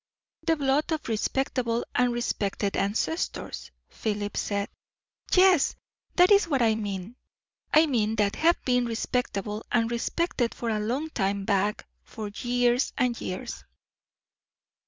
"The blood of respectable and respected ancestors," Philip said. "Yes! that is what I mean. I mean, that have been respectable and respected for a long time back for years and years."